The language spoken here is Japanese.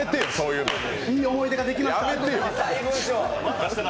いい思い出ができました。